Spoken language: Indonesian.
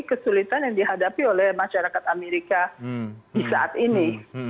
kesulitan yang dihadapi oleh masyarakat amerika di saat ini